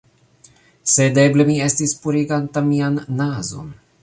Sed eble mi estis puriganta mian nazon